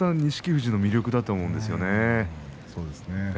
富士の魅力だと思うんですよね。